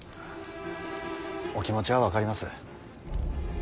お気持ちは分かります。